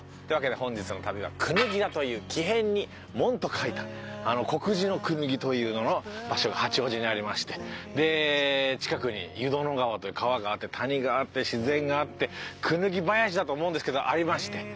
というわけで本日の旅は「椚田」という木偏に門と書いた国字の椚というのの場所が八王子にありましてで近くに湯殿川という川があって谷があって自然があってクヌギ林だと思うんですけどありまして。